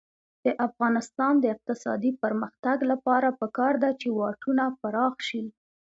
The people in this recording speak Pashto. د افغانستان د اقتصادي پرمختګ لپاره پکار ده چې واټونه پراخ شي.